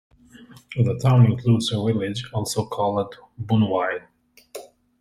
The town includes a village, also called Boonville.